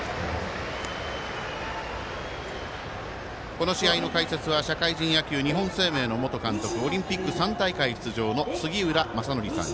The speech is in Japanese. この試合の解説は社会人野球、日本生命の元監督オリンピック３大会出場の杉浦正則さん。